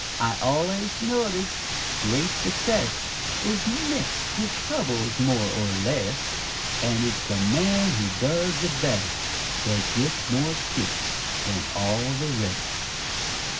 I've allus noticed grate success Is mixed with troubles, more or less, And it's the man who does the best That gits more kicks than all the rest.